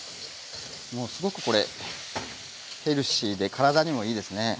もうすごくこれヘルシーで体にもいいですね。